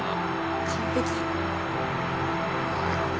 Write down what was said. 完璧。